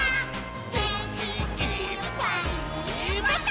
「げんきいっぱいもっと」